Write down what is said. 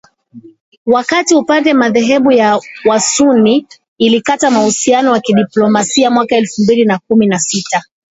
katika upande madhehebu ya wasunni, ilikata uhusiano wa kidiplomasia mwaka elfu mbili na kumi na sita